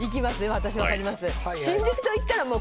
私分かります。